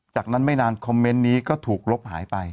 จากนั้นไม่นานคอมเมนต์นี้ก็ถูกลบหายไป